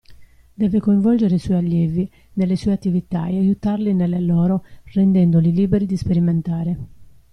Deve coinvolgere i suoi "allievi" nelle sue attività ed aiutarli nelle loro rendendoli liberi di sperimentare.